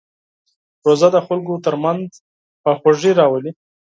روژه د خلکو ترمنځ خواخوږي راولي.